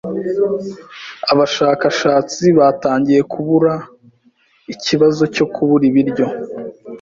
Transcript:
Abashakashatsi batangiye kubura ikibazo cyo kubura ibiryo.